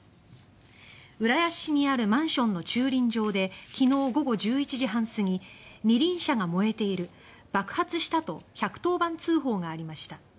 浦安市にあるマンションの駐輪場で昨日午後１１時半すぎ「二輪車が燃えている爆発した」と１１０番通報がありました。